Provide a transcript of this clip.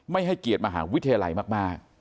ให้เกียรติมหาวิทยาลัยมาก